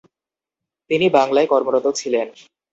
তিনি বাংলায় কর্মরত ছিলেন।